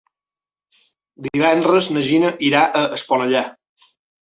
Divendres na Gina irà a Esponellà.